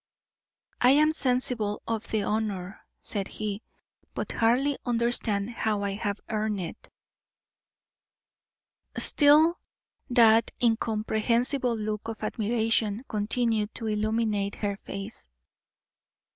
"I am sensible of the honour," said he, "but hardly understand how I have earned it." Still that incomprehensible look of admiration continued to illumine her face.